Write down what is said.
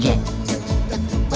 jack cilik tonga